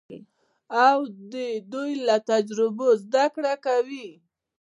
او د دوی له تجربو زده کړه کوي.